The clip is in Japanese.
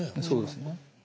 そうですね。